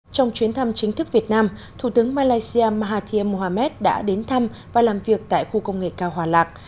trong chuyến thăm chính thức việt nam thủ tướng malaysia mahathir mohamad đã đến thăm và làm việc tại khu công nghệ cao hòa lạc